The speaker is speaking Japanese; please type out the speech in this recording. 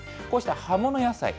こうした葉物野菜。